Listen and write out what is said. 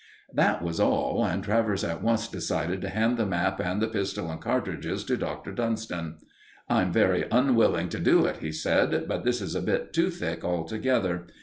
_ That was all, and Travers at once decided to hand the map and the pistol and cartridges to Doctor Dunston. "I'm very unwilling to do it," he said, "but this is a bit too thick altogether.